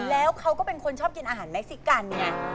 แล้วเขาก็เป็นคนชอบกินอาหารเม็กซิกันไง